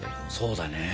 そうだね。